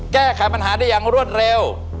แก้ไขปัญหาได้อย่างรวดเร็ว